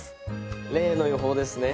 例の油胞ですね